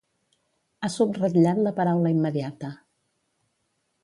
Ha subratllat la paraula immediata.